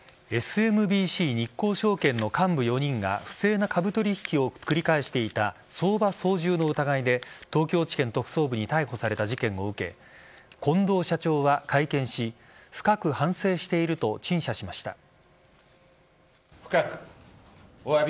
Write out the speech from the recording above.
ＳＭＢＣ日興証券の幹部４人が不正な株取引を繰り返していた相場操縦の疑いで東京地検特捜部に逮捕された事件を受け近藤社長は会見し深く反省していると陳謝しました。